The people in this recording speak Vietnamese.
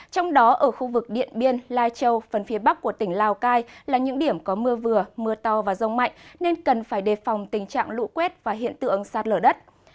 trong đó ở khu vực điện biên lai châu phần phía bắc của tỉnh lào cai là những điểm có mưa vừa mưa to và rông mạnh nên cần phải đề phòng tình trạng lũ quét và hiện tượng sạt lở đất